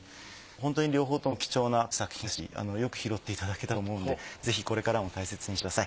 ホントに両方とも貴重な作品ですしよく拾っていただけたと思うのでぜひこれからも大切にしてください。